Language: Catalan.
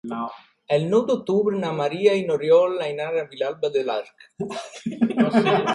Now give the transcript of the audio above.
El nou d'octubre na Maria i n'Oriol aniran a Vilalba dels Arcs.